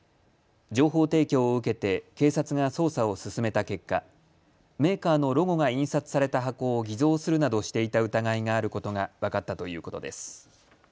情報提供を受けて警察が捜査を進めた結果、メーカーのロゴが印刷された箱を偽造するなどしていた疑いがあることが分かったということです。